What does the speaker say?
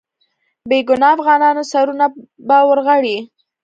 بې ګناه افغانانو سرونه به ورغړي.